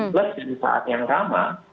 plus di saat yang sama